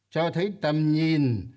cho thấy tầm nhìn